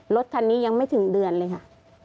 รถคันนี้ยังไม่ถึงเดือนเลยค่ะ